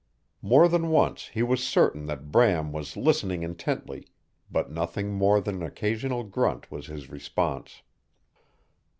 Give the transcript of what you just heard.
More than once he was certain that Bram was listening intently, but nothing more than an occasional grunt was his response.